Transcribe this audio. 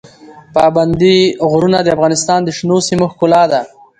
پابندی غرونه د افغانستان د شنو سیمو ښکلا ده.